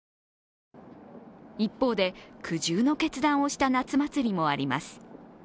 一方で苦渋の決断をした夏祭りもあります。